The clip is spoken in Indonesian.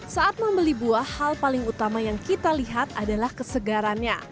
saat membeli buah hal paling utama yang kita lihat adalah kesegarannya